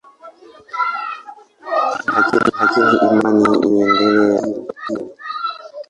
Lakini imani iliendelea kwa siri.